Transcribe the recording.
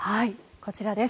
こちらです。